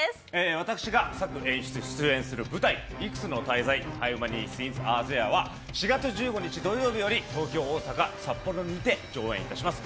私が作・演出・出演する舞台、「幾つの大罪Ｈｏｗｍａｎｙｓｉｎｓａｒｅｔｈｅｒｅ？」が４月１５日土曜日より東京、大阪、札幌にて上演いたします。